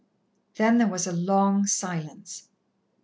Then there was a long silence.